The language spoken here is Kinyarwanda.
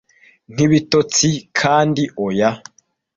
Nkibitotsi, kandi oya